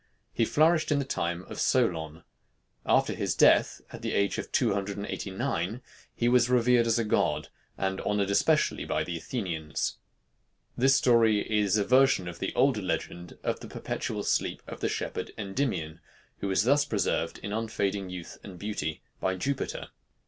He flourished in the time of Solon. After his death, at the age of two hundred and eighty nine, he was revered as a god, and honored especially by the Athenians. This story is a version of the older legend of the perpetual sleep of the shepherd Endymion, who was thus preserved in unfading youth and beauty by Jupiter.